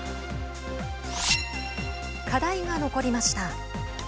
課題が残りました。